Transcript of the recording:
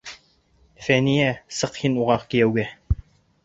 Фәниә, сыҡ һин уға кейәүгә.